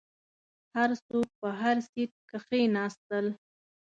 هر څوک په هر سیټ کښیناستل.